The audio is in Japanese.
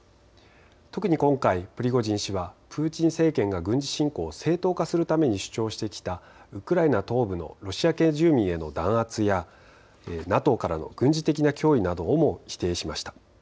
特に今回、プリゴジン氏はプーチン政権が軍事侵攻を正当化するために主張してきたウクライナ東部のロシア系住民への弾圧やＮＡＴＯからの軍事的な脅威などをも否定しました。